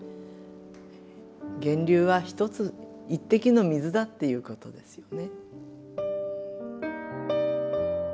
源流は１つ一滴の水だっていうことですよね。